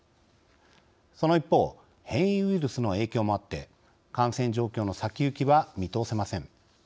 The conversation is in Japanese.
その一方変異ウイルスの影響もあって感染状況の先行きは見通せません。